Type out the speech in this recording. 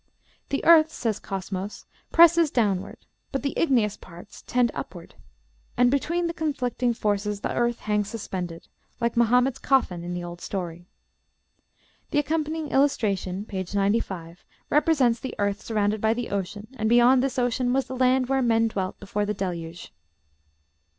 "The earth," says Cosmos, "presses downward, but the igneous parts tend upward," and between the conflicting forces the earth hangs suspended, like Mohammed's coffin in the old story. The accompanying illustration (page 95) represents the earth surrounded by the ocean, and beyond this ocean was "the land where men dwelt before the Deluge."